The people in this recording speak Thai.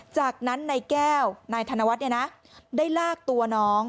จากนั้นนายแก้วนายธนวัฒน์ได้ลากตัวน้อง